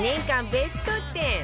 ベスト１０